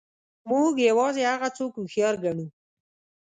موږ یوازې هغه څوک هوښیار ګڼو.